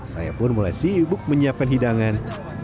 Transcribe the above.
saya pun mulai sibuk menyiapkan hidangan